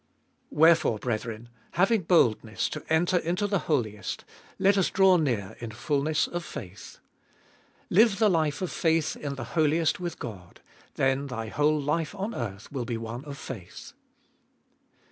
7. Wherefore, brethren, having boldness to enter into the Holiest, let us draw near in fulness of faith. Live the life of faith in the Holiest with God : then thy whole life on earth will be one of faith.